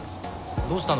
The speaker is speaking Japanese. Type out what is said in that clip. どうしたの？